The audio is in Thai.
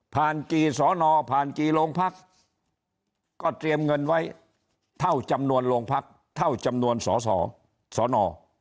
กี่สอนอผ่านกี่โรงพักก็เตรียมเงินไว้เท่าจำนวนโรงพักเท่าจำนวนสอสอสอนอ